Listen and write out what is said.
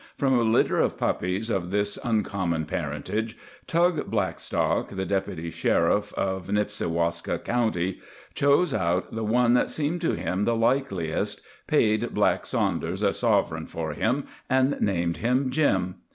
From a litter of puppies of this uncommon parentage, Tug Blackstock, the Deputy Sheriff of Nipsiwaska County, chose out the one that seemed to him the likeliest, paid Black Saunders a sovereign for him, and named him Jim.